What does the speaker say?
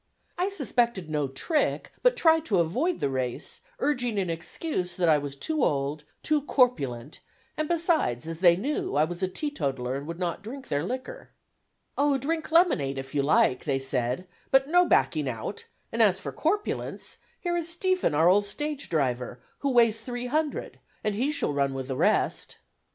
I suspected no trick, but tried to avoid the race, urging in excuse that I was too old, too corpulent, and besides, as they knew, I was a teetotaler and would not drink their liquor. "Oh, drink lemonade, if you like," they said, "but no backing out; and as for corpulence, here is Stephen, our old stage driver, who weighs three hundred, and he shall run with the rest."